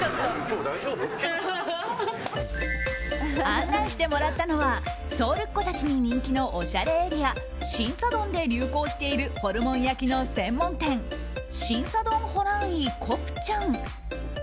案内してもらったのはソウルっ子たちに人気のおしゃれエリアシンサドンで流行しているホルモン焼きの専門店シンサドンホランイコプチャン。